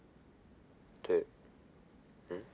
「ってうん？」